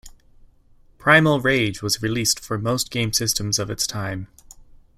"Primal Rage" was released for most game systems of its time.